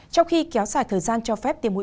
trong khi kéo dài thời gian cho phép tiêm mũi ba